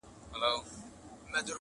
د دې قلا او د خانیو افسانې یادي وې!.